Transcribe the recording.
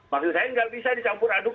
maksud saya nggak bisa dicampur aduk